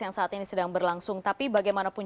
yang saat ini sedang berlangsung tapi bagaimanapun